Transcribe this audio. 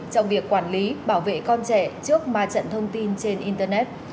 trong việc quản lý bảo vệ con trẻ trước ma trận thông tin trên internet